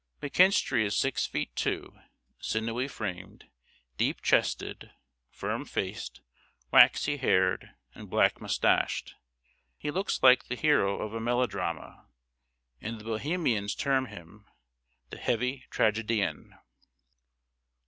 McKinstry is six feet two, sinewy framed, deep chested, firm faced, wavy haired, and black mustached. He looks like the hero of a melodrama, and the Bohemians term him "the heavy tragedian."